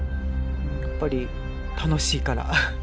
やっぱり楽しいから。